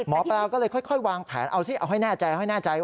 หมอปลาก็เลยค่อยวางแผนเอาสิเอาให้แน่ใจ